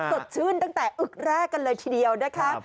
สดชื่นตั้งแต่อึกแรกกันเลยทีเดียวนะคะ